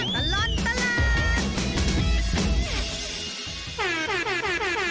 ชั่วตลอดตลาด